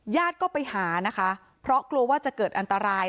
ก็ไปหานะคะเพราะกลัวว่าจะเกิดอันตราย